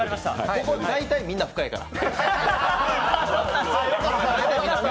ここ、大体みんな不可だから。